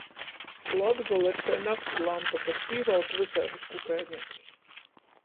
Latgola ir kai nakts lampa, kas pīvalk vysaidus kukaineišus.